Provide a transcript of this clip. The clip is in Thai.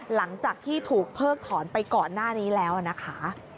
หลังจากที่ถูกเพิกถอนไปก่อนหน้านี้แล้วนะคะ